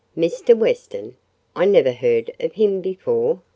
"Mr. Weston! I never heard of him before."